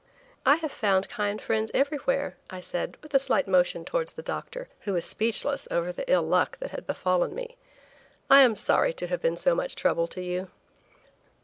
"I have found kind friends everywhere," I said, with a slight motion towards the doctor, who was speechless over the ill luck that had befallen me. "I am sorry to have been so much trouble to you."